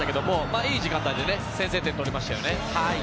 いい時間帯に先制点を取りましたね。